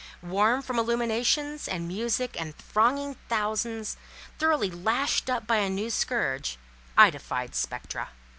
Warm from illuminations, and music, and thronging thousands, thoroughly lashed up by a new scourge, I defied spectra.